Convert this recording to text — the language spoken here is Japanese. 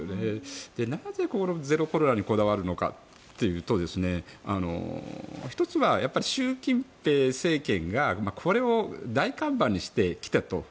なぜこれだけゼロコロナにこだわるのかというと１つは習近平政権がこれを大看板にしてきたと。